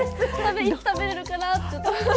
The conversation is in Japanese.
いつ食べれるかなって。